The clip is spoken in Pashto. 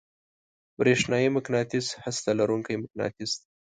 برېښنايي مقناطیس هسته لرونکی مقناطیس دی.